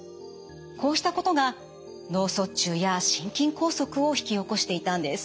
こうしたことが脳卒中や心筋梗塞を引き起こしていたんです。